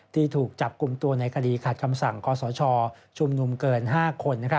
ที่ถูกจับกลุ่มตัวในคดีขัดคำสั่งคอสชชุมนุมเกิน๕คน